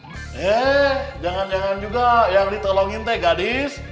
eh jangan jangan juga yang ditolongin teh gak deh